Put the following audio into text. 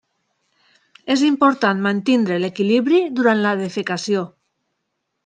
És important mantenir l'equilibri durant la defecació.